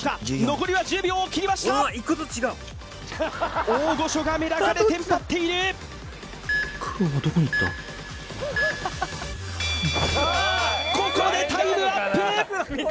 残りは１０秒を切りました大御所がメダカでテンパっているここでタイムアップ